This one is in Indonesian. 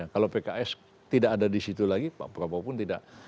kalau pks tidak ada di situ lagi pak prabowo pun tidak